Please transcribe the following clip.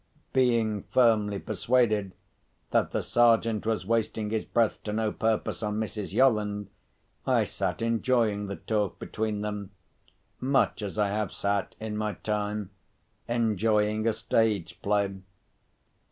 Being firmly persuaded that the Sergeant was wasting his breath to no purpose on Mrs. Yolland, I sat enjoying the talk between them, much as I have sat, in my time, enjoying a stage play.